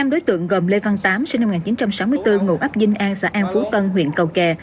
năm đối tượng gồm lê văn tám sinh năm một nghìn chín trăm sáu mươi bốn ngụ ấp dinh an xã an phú tân huyện cầu kè